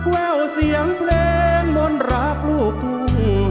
แววเสียงเพลงมนต์รักลูกทุ่ง